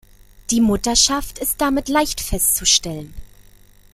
Die Mutterschaft ist damit leicht festzustellen.